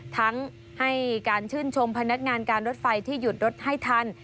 ทั้งให้การชื่นชมพนักงานการรถไฟที่หยุดรถให้ทัน